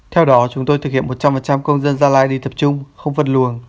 theo đó chúng tôi thực hiện một trăm linh công dân gia lai đi tập trung không phân luồng